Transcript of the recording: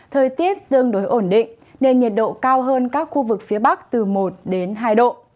thời tiết tương đối ổn định nên nhiệt độ cao hơn các khu vực phía bắc từ một đến hai độ